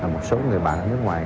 một số người bạn nước ngoài